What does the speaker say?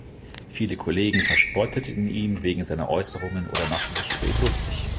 Viele Kollegen verspotteten ihn wegen seiner Äußerungen oder machten sich über ihn lustig.